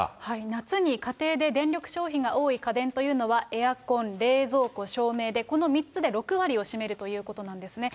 夏に家庭で電力消費が多い家電というのは、エアコン、冷蔵庫、照明で、この３つで６割を占めるということなんですね。